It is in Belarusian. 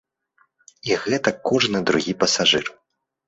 І гэтак кожны другі пасажыр.